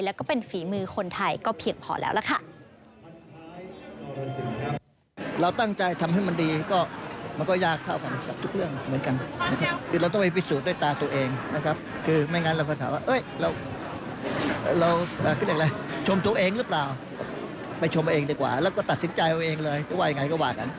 แล้วก็เป็นฝีมือคนไทยก็เพียงพอแล้วล่ะค่ะ